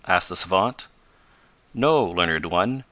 asked the savant. "No, Learned One.